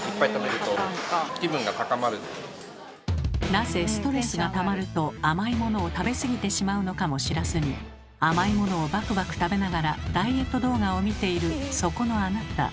なぜストレスがたまると甘いものを食べ過ぎてしまうのかも知らずに甘いものをバクバク食べながらダイエット動画を見ているそこのあなた。